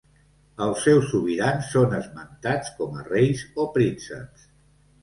Els seus sobirans són esmentats com a reis o prínceps.